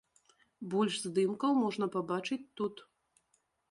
Больш здымкаў можна пабачыць тут.